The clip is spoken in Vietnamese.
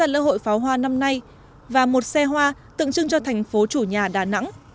hai lễ hội pháo hoa năm nay và một xe hoa tượng trưng cho thành phố chủ nhà đà nẵng